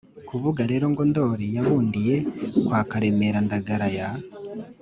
kuvuga rero ngo ndori yabundiye kwa karemera ndagara ya